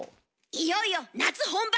いよいよ夏本番！